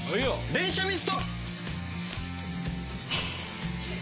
連射ミスト！